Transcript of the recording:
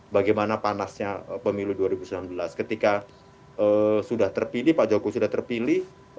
bagaimana panasnya pemilu dua ribu sembilan belas ketika sudah terpilih pak jokowi sudah terpilih